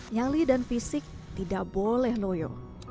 nyali dan fisik tidak boleh noyo